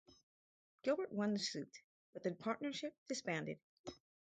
Gilbert won the suit, but the partnership disbanded.